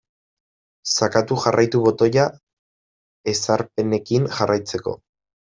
Sakatu jarraitu botoia ezarpenekin jarraitzeko.